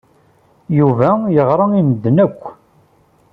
Yuba yeɣra i medden akk.